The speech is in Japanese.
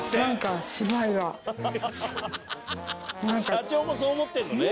「社長もそう思ってんのね」